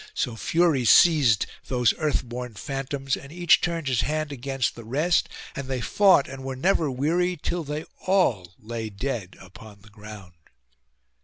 So fury seized those earth born phantoms, and each turned his hand against the rest; and they fought and were never weary, till they all lay dead upon the ground.